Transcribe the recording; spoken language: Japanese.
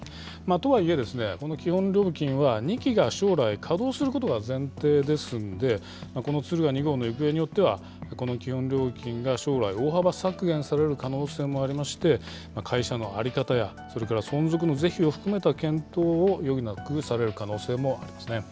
とはいえ、この基本料金は、２基が将来、稼働することが前提ですんで、この敦賀２号の行方によっては、この基本料金が将来、大幅削減される可能性もありまして、会社の在り方や、それから存続の是非を含めた検討を余儀なくされる可能性もありま